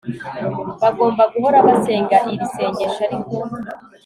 bagomba guhora basenga iri sengesho Ariko